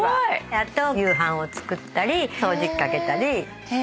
あと夕飯を作ったり掃除機かけたり。